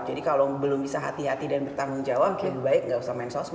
jadi kalau belum bisa hati hati dan bertanggung jawab ya baik nggak usah main sosmed